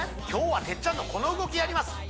今日はこの動きやります